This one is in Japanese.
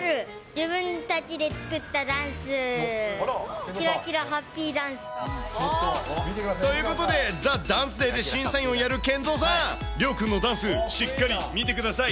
自分たちで作ったダンス。ということで、ＴＨＥＤＡＮＣＥＤＡＹで審査員をやるＫＥＮＺＯさん、りょう君のダンス、しっかり見てください。